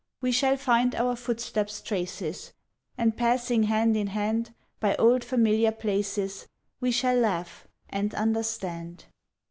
We shall find our footsteps' traces, And passing hand in hand By old familiar places, We shall laugh, and understand.